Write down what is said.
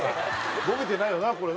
ボケてないよなこれな？